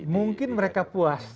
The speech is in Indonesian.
mungkin mereka puas